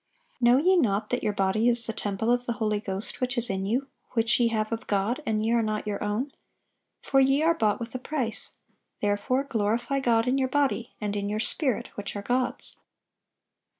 (817) "Know ye not that your body is the temple of the Holy Ghost which is in you, which ye have of God, and ye are not your own? for ye are bought with a price: therefore glorify God in your body, and in your spirit, which are God's."